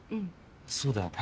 そうだよね。